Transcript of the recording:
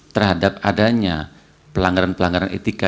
terhadap adanya pelanggaran pelanggaran etika